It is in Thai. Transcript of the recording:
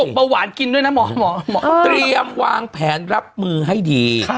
เบาหวานกินด้วยนะหมอหมอเตรียมวางแผนรับมือให้ดี